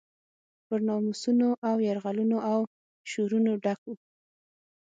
پر ناموسونو له یرغلونو او شورونو ډک و.